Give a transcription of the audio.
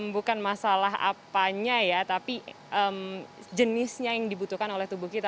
bukan masalah apanya ya tapi jenisnya yang dibutuhkan oleh tubuh kita